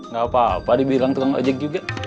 gak apa apa dibilang tukang ojek juga